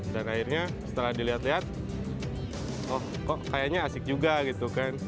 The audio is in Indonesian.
dan akhirnya setelah dilihat lihat oh kok kayaknya asik juga gitu kan